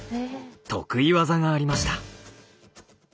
得意技がありました。